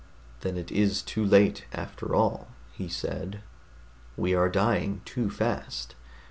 "Then it is too late, after all," he said. "We are dying too fast.